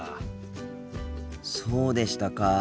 そうでしたか。